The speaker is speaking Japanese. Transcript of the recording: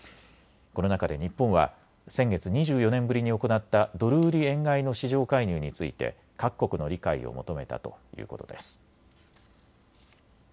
この中で日本は先月２４年ぶりに行ったドル売り円買いの市場介入について各国の理解を求めたということです。